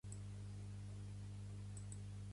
Ja has llegit les teves frases, avui?